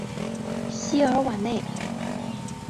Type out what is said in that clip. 西尔瓦内。